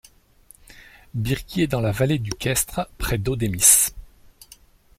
Birgi est dans la vallée du Caystre, près d’Ödemiş.